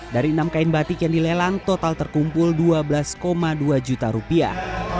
dari enam kain batik yang dilelang total terkumpul dua belas dua juta rupiah